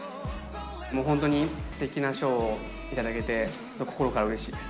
もう本当にすてきな賞を頂けて、心からうれしいです。